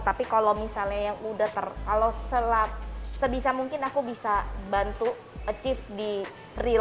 tapi kalau misalnya yang udah ter kalau selap sebisa mungkin aku bisa bantu achieve di real